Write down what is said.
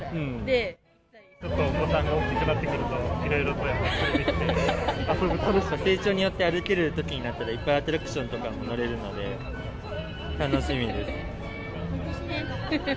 ちょっとお子さんが大きくな成長によって歩けるときになったら、いっぱいアトラクションとかも乗れるので、楽しみです。